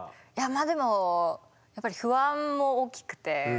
でもやっぱり不安も大きくて。